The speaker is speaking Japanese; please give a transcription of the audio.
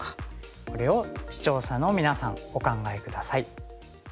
これを視聴者のみなさんお考え下さい。